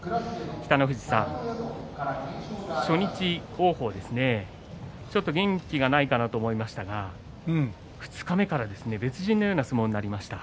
北の富士さん初日王鵬ですねちょっと元気がないかなと思いましたが二日目から別人のような相撲になりました。